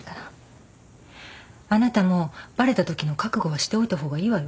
あなたもバレたときの覚悟はしておいた方がいいわよ。